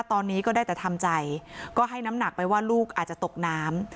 ตอนนี้ก็ได้แต่ทำใจก็ให้น้ำหนักไปว่าลูกอาจจะตกน้ำ